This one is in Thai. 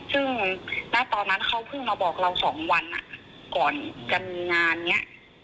ซึ่งถ้าตอนนั้นเขาเพิ่งมาบอกเรา๒วันอ่ะก่อนกันงานเนี่ย